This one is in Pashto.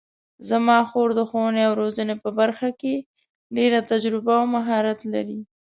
زما خور د ښوونې او روزنې په برخه کې ډېره تجربه او مهارت لري